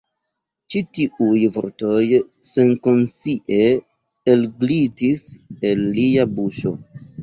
Ĉi tiuj vortoj senkonscie elglitis el lia buŝo.